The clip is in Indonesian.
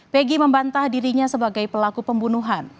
pegi membantah dirinya sebagai pelaku pembunuhan